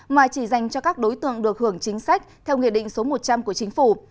mà chỉ dành cho các đối tượng được hưởng chính sách theo nghị định số một trăm linh của chính phủ